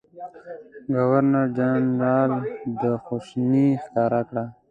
ګورنرجنرال خواشیني ښکاره کړه.